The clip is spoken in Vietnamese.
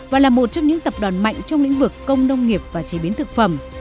và là một trong những tập đoàn mạnh trong lĩnh vực công nông nghiệp và chế biến thực phẩm